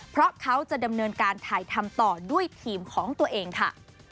เพราะเขาจะดำเนินการถ่ายทำต่อด้วยทีมของตัวเองค่ะ